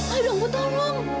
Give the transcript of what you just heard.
aduh bu tolong